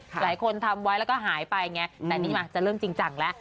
หลายคนทำไว้แล้วก็หายไปไงแต่นี่มาจะเริ่มจริงจังแล้ว